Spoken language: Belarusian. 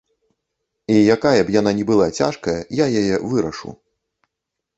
І якая б яна ні была цяжкая, я яе вырашу.